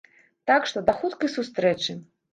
Так што да хуткай сустрэчы!